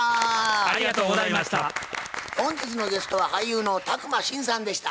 本日のゲストは俳優の宅麻伸さんでした。